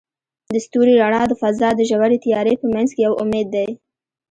د ستوري رڼا د فضاء د ژورې تیارې په منځ کې یو امید دی.